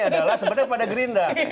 adalah sebenarnya pada gerindra